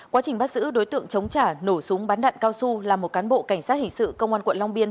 quá trình bắt giữ đối tượng chống trả nổ súng bắn đạn cao su là một cán bộ cảnh sát hình sự công an quận long biên